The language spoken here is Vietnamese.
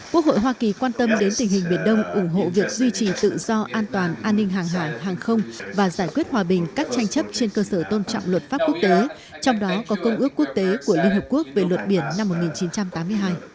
quốc hội hoa kỳ quan tâm đến tình hình biển đông ủng hộ việc duy trì tự do an toàn an ninh hàng hải hàng không và giải quyết hòa bình các tranh chấp trên cơ sở tôn trọng luật pháp quốc tế trong đó có công ước quốc tế của liên hợp quốc về luật biển năm một nghìn chín trăm tám mươi hai